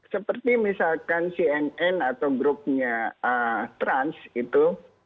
seperti misalkan cnn atau grupnya trans itu